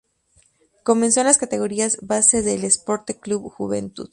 Comenzó en las categorías base de el Esporte Clube Juventude.